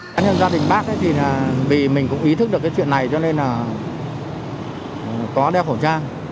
cá nhân gia đình bác thì vì mình cũng ý thức được cái chuyện này cho nên là có đeo khẩu trang